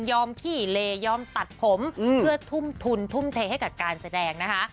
ขี้เลยอมตัดผมเพื่อทุ่มทุนทุ่มเทให้กับการแสดงนะคะ